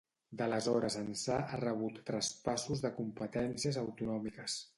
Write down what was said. D'aleshores ençà ha rebut traspassos de competències autonòmiques.